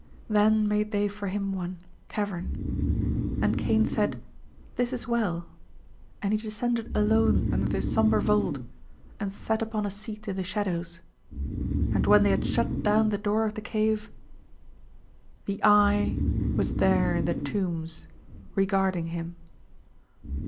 "Then made they for him one cavern. And Cain said, 'This is well,' and he descended alone under this somber vault and sat upon a seat in the shadows, and when they had shut down the door of the cave, the Eye was there in the tombs regarding him."